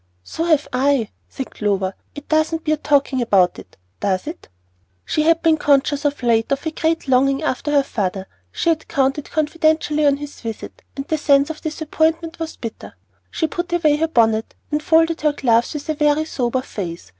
"So have I," said Clover. "It doesn't bear talking about, does it?" She had been conscious of late of a great longing after her father. She had counted confidently on his visit, and the sense of disappointment was bitter. She put away her bonnet and folded her gloves with a very sober face.